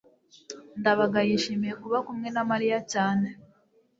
ndabaga yishimiye kuba kumwe na mariya cyane